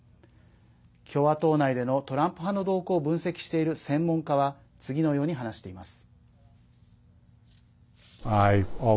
共和党内でのトランプ派の動向を分析している専門家は次のように話しています。